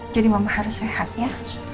jadi mama harus sehat ya